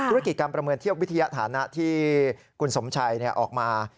ธุรกิจการประเมินเทียบวิทยาฐานะที่คุณสมชัยออกมา